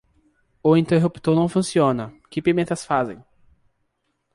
O interruptor não funciona, que pimentas fazem!